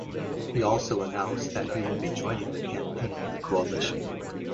He also announced that he will be joining the campaign of the coalition.